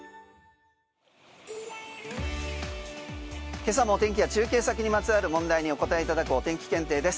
今朝も天気や中継先にまつわる問題にお答えいただくお天気検定です。